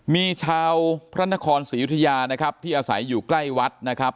มีชาวพระนครศรียุธยานะครับที่อาศัยอยู่ใกล้วัดนะครับ